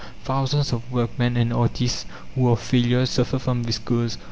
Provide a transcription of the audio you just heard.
Thousands of workmen and artists who are failures suffer from this cause.